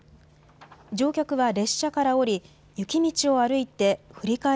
乗客は列車から降り、雪道を歩いて振り替え